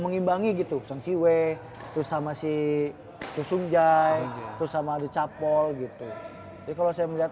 mengimbangi gitu sang siway terus sama si tsunjai terus sama ada capol gitu jadi kalau saya melihat